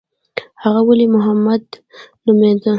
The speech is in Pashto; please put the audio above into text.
هغه ولي محمد نومېده.